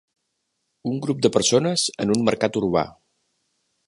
Un grup de persones en un mercat urbà.